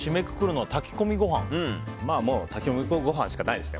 もう炊き込みご飯しかないですね。